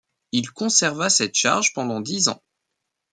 Il conserva cette charge pendant dix ans.